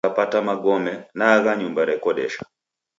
Ngapata magome naagha nyumba rekodesha.